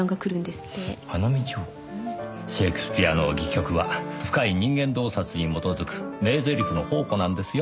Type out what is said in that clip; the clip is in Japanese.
シェイクスピアの戯曲は深い人間洞察に基づく名台詞の宝庫なんですよ